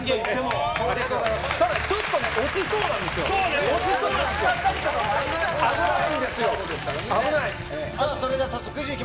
ただ、ちょっとね、落ちそう危ないんですよ、危ない。